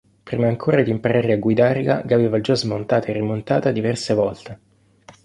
Prima ancora di imparare a guidarla, l'aveva già smontata e rimontata diverse volte.